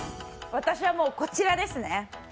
私はもうこちらですね。